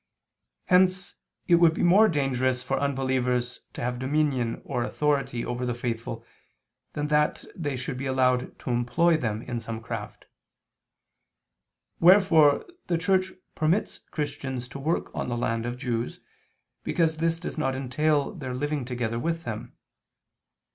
Hence it would be more dangerous for unbelievers to have dominion or authority over the faithful, than that they should be allowed to employ them in some craft. Wherefore the Church permits Christians to work on the land of Jews, because this does not entail their living together with them.